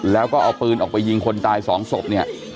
แล้วก็เอาปืนออกไปยิงคนตายสองศพเนี่ย